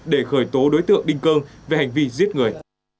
đối tượng định cơn về hành vi giết người